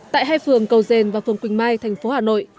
tại hai phường cầu dền và phường quỳnh mai thành phố hà nội